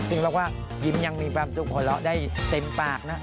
จึงบอกว่ายิ้มยังมีความสุขหลอได้เต็มปากนะ